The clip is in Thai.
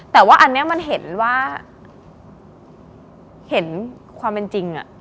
แต่ว่าอันนี้มันเห็นว่าเห็นความเป็นจริง